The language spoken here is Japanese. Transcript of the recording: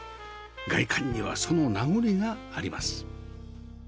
外観にはその名残があります